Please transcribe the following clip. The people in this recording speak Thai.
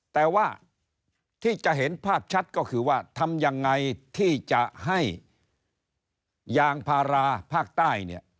แต่ว่าที่จะเห็นภาพชัดก็คือว่าทำยังไงที่จะให้ยางพาราภาคใต้เนี่ย